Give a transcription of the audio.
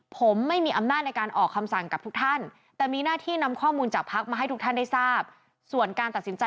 ผมไม่มีอำนาจในการออกคำสั่งกับทุกท่าน